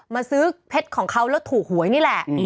มาซื้อเพชรของเขาแล้วถูกหวยนี่แหละ